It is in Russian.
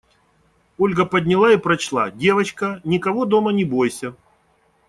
Ольга подняла и прочла: «Девочка, никого дома не бойся.